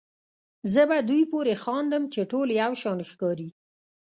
زه په دوی پورې خاندم چې ټول یو شان ښکاري.